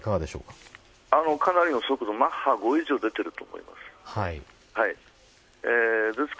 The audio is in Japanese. かなりの速度マッハ５以上出ていると思います。